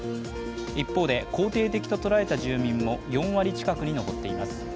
一方で肯定的と捉えた住民も４割近くに上っています。